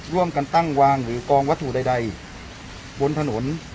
ร่วมกันตั้งวางหรือกองวัตถุใดบนถนน